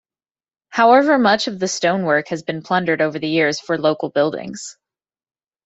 However much of the stonework has been plundered over the years for local buildings.